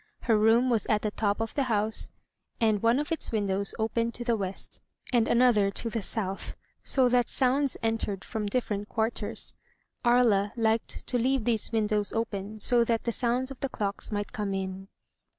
Her room was at the top of the house, and one of its windows opened to the west and another to the south, so that sounds entered from different quarters. Aria liked to leave these windows open so that the sounds of the clocks might come in.